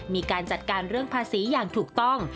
มีการจัดการเรื่องภาษีอย่างถูกต้อง